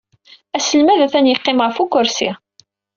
Aselmad atan yeqqim ɣef ukersi.